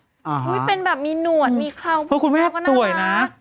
อุ๊ยเป็นแบบมีหนวดมีเคราะห์เพราะคุณแม่ต่วยนะ